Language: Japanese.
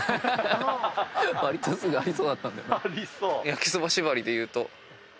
焼きそば縛りでいうと。